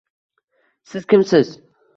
- Siz kimsiz?